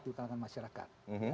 di dalam masyarakat